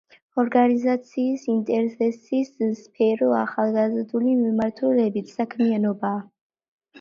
ორგანიზაციის ინტერესის სფერო ახალგაზრდული მიმართულებით საქმიანობაა.